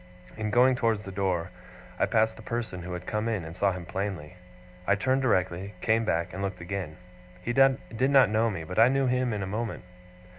In going towards the door, I passed the person who had come in, and saw him plainly. I turned directly, came back, and looked again. He did not know me, but I knew him in a moment.